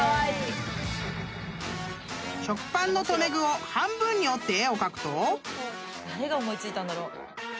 ［食パンの留め具を半分に折って絵を描くと］